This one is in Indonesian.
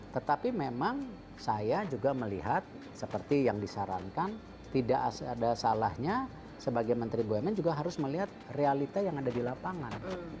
tetapi memang saya juga melihat seperti yang disarankan tidak ada salahnya sebagai menteri bumn juga harus melihat realita yang ada di lapangan